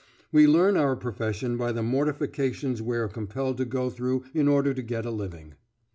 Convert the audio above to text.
We learn our profession by the mortifications we are compelled to go through in order to get a living.